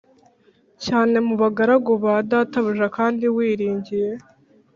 cyane mu bagaragu ba databuja Kandi wiringiye